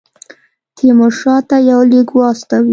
تیمورشاه ته یو لیک واستوي.